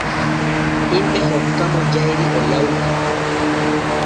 Himɓe hokkamo jayri o yawta.